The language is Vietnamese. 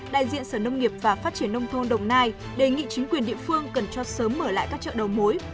đại diện sở nông nghiệp và phát triển nông thôn đồng nai đề nghị chính quyền địa phương cần cho sớm mở lại các chợ đầu mối